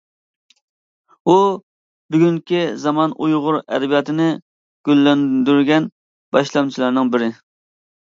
ئۇ بۈگۈنكى زامان ئۇيغۇر ئەدەبىياتىنى گۈللەندۈرگەن باشلامچىلارنىڭ بىرى.